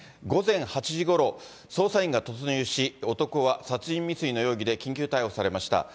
午前８時ごろ、捜査員が突入し、男は殺人未遂の容疑で緊急逮捕されました。